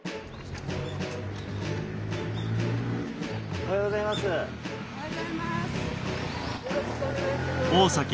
おはようございます。